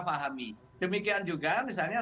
pahami demikian juga misalnya